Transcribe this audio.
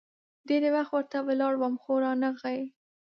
ډېر وخت ورته ولاړ وم ، خو رانه غی.